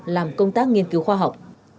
làm công tác nghiên cứu khoa học